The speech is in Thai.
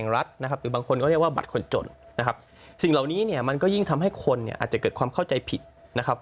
บัตรสวัสดีการแห่งรัฐ